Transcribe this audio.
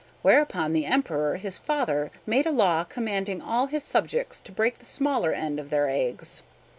Whereupon the Emperor, his father, made a law commanding all his subjects to break the smaller end of their eggs.